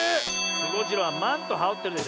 スゴジロウはマントはおってるでしょ。